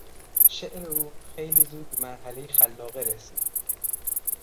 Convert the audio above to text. شعر او خیلی زود به مرحلهی خلاقه رسید.